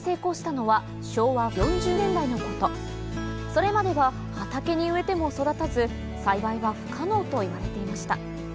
それまでは畑に植えても育たず栽培は不可能といわれていました